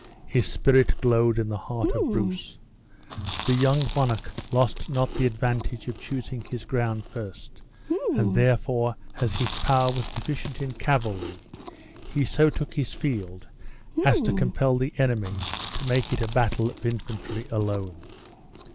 His spirit glowed in the heart of Bruce. The young monarch lost not the advantage of choosing his ground first, and therefore, as his power was deficient in cavalry, he so took his field as to compel the enemy to make it a battle of infantry alone.